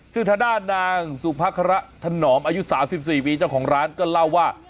ซึ่งทางด้านนางสุภัคระถนอมอายุ๓๔ปีเจ้าของร้านก็เล่าว่า